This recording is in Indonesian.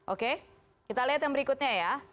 oke kita lihat yang berikutnya ya